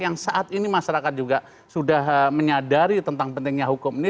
yang saat ini masyarakat juga sudah menyadari tentang pentingnya hukum ini